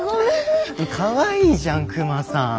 かわいいじゃんクマさん。